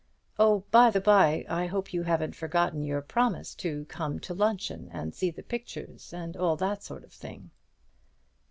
Oh, by the bye, I hope you haven't forgotten your promise to come to luncheon and see the pictures, and all that sort of thing."